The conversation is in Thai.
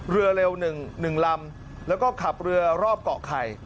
เรือเร็ว๑ลำแล้วก็ขับเรือรอบเกาะไข่